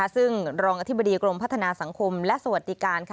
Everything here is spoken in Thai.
ซึ่งรองอธิบดีกรมพัฒนาสังคมและสวัสดิการ